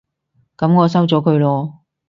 噉我收咗佢囉